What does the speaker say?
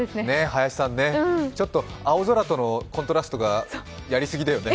林さんね、ちょっと青空とのコントラストがやりすぎだよね。